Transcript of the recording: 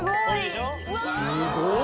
すごい！